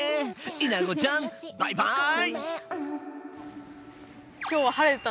イナゴちゃんバイバイ！